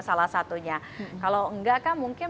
salah satunya kalau enggak kan mungkin